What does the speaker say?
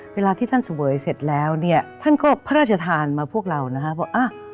เวลาที่ท่านเสวยเสร็จแล้วเนี่ยท่านก็พระราชทานมาพวกเรานะครับ